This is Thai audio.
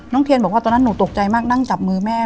เทียนบอกว่าตอนนั้นหนูตกใจมากนั่งจับมือแม่